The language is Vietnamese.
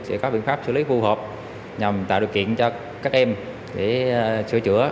sẽ có biện pháp xử lý phù hợp nhằm tạo điều kiện cho các em để sửa chữa